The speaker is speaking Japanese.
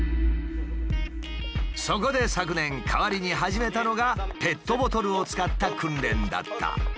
そこで昨年代わりに始めたのがペットボトルを使った訓練だった。